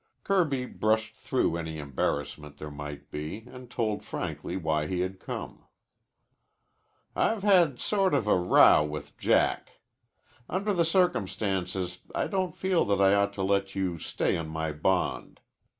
Kirby brushed through any embarrassment there might be and told frankly why he had come. "I've had a sort of row with Jack. Under the circumstances I don't feel that I ought to let you stay on my bond.